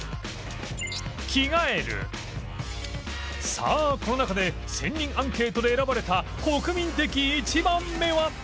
さあこの中で１０００人アンケートで選ばれた国民的１番目は？